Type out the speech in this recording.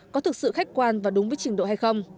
có thực sự khách quan và đúng với trình độ hay không